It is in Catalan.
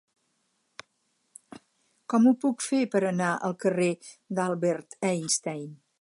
Com ho puc fer per anar al carrer d'Albert Einstein?